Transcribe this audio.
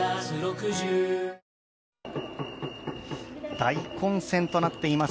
大混戦となっています